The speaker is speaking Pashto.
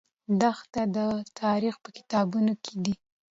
دښتې د تاریخ په کتابونو کې دي.